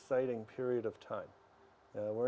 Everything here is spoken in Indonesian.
waktu yang sangat menarik